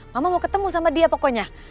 mama mau ketemu sama dia pokoknya